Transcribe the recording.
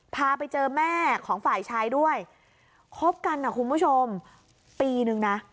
พาไปเจอแม่ของฝ่ายชายด้วยคบกันนะคุณผู้ชมปีนึงนะ